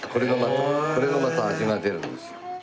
これがまた味が出るんですよ。